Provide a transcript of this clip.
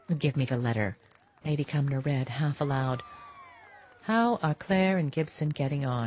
Give me the letter." Lady Cumnor read, half aloud, "'How are Clare and Gibson getting on?